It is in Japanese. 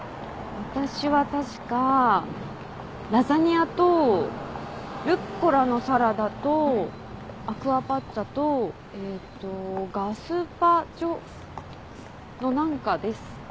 私は確かラザニアとルッコラのサラダとアクアパッツァとえっとガスパチョ？の何かです。